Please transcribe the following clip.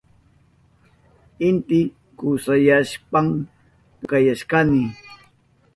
Inti kusawashpan pukayashkani.